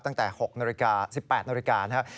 ตั้งแต่๖นาฬิกา๑๘นาฬิกานะครับ